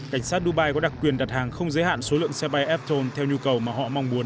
cảnh sát dubai có đặc quyền đặt hàng không giới hạn số lượng xe bay efton theo nhu cầu mà họ mong muốn